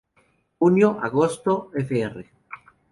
Junio-agosto, fr.